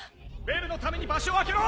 ベルのために場所を空けろ！